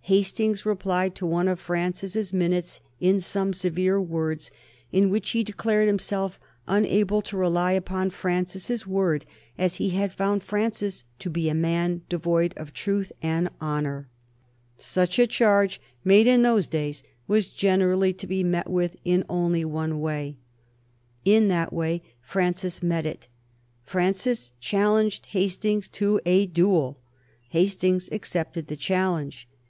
Hastings replied to one of Francis's minutes in some severe words, in which he declared himself unable to rely upon Francis's word, as he had found Francis to be a man devoid of truth and honor. [Sidenote: 1780 Hastings and Francis fight a duel] Such a charge made in those days was generally to be met with in only one way. In that way Francis met it. Francis challenged Hastings to a duel. Hastings accepted the challenge.